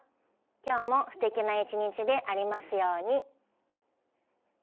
今日もすてきな一日でありますように。